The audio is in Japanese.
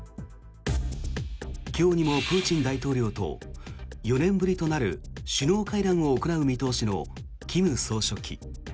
今日にもプーチン大統領と４年ぶりとなる首脳会談を行う見通しの金総書記。